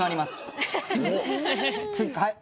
はい。